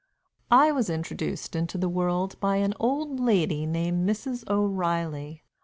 I was introduced into the world by an old lady named Mrs. O'Reilly.